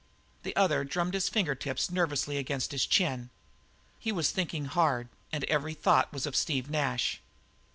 The other drummed his finger tips nervously against his chin; he was thinking hard, and every thought was of Steve Nash.